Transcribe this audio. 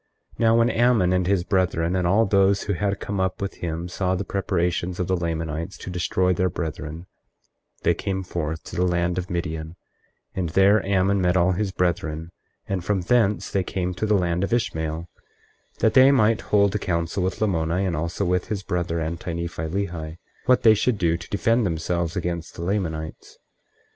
24:5 Now when Ammon and his brethren and all those who had come up with him saw the preparations of the Lamanites to destroy their brethren, they came forth to the land of Midian, and there Ammon met all his brethren; and from thence they came to the land of Ishmael that they might hold a council with Lamoni and also with his brother Anti Nephi Lehi, what they should do to defend themselves against the Lamanites.